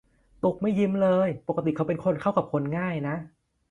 ตุ้กไม่ยิ้มเลยปกติเขาเป็นคนเข้ากับคนง่ายนะ